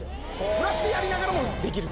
ブラシでやりながらもできる。